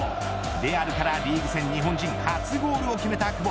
レアルからリーグ戦日本人初ゴールを決めた久保。